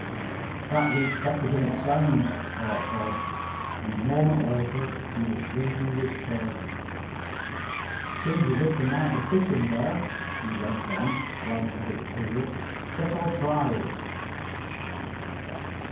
"That looks better than it sounds," thought Bob. And a moment later he was drinking his fill. "Seems as if there might be fish in there," he went on, glancing at the pool. "Guess I'll try it."